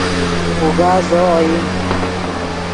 اوگا زو اوئیم